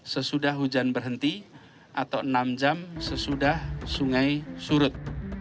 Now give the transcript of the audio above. sesudah hujan berhenti atau enam jam sesudah sungai surut